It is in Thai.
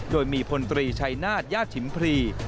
โดยมีพลตรีชัยนาฏญาติชิมพรี